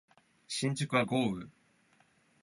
新宿は豪雨